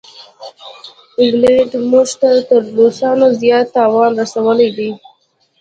انګلینډ موږ ته تر روسانو زیات تاوان رسولی دی.